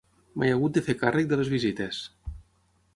M'he hagut de fer càrrec de les visites.